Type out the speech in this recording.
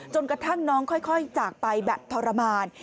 จนกระทั่งน้องค่อยจากไปแบบทรมาน